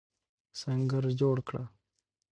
سنګر جوړ کړه.